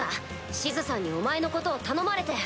シズさんにお前のことを頼まれて。